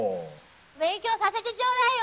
勉強させてちょうだいよ！